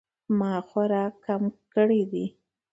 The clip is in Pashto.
ما خوراک کم کړی دی